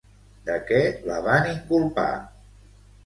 De què la van inculpar?